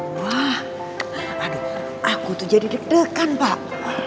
wah aduh aku tuh jadi deg degan pak